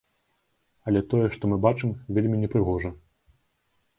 Але тое, што мы бачым, вельмі непрыгожа.